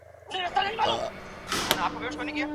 په قلم خط لیکل د کلتور او تمدن ساتل دي.